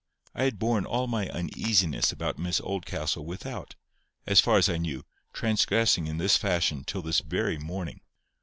I had borne all my uneasiness about Miss Oldcastle without, as far as I knew, transgressing in this fashion till this very morning.